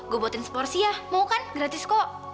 gue buatin seporsi ya mau kan gratis kok